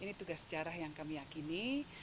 ini tugas sejarah yang kami yakini